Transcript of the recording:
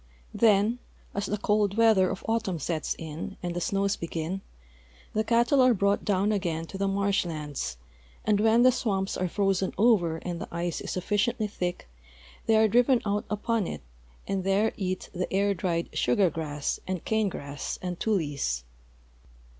Then, as the cold weather of autumn sets in and the snows begin, the cattle are brought down again to the marsh lands, and when the swamps are frozen over and the ice is sufficiently thick they are driven out upon it and there eat the air dried sugar grass and cane grass and tules.